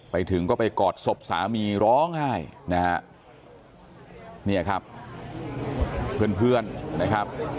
ไปถึงก็ไปกอดศพสามีร้องไห้นี่ครับเพื่อนนะครับ